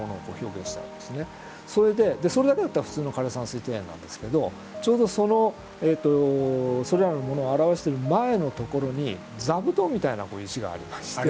それでそれだけだったら普通の枯山水庭園なんですけどちょうどそのそれらのものを表している前のところに座布団みたいな石がありまして。